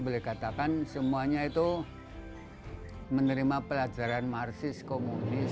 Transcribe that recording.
boleh katakan semuanya itu menerima pelajaran marsis komunis